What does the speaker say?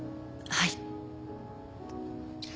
はい。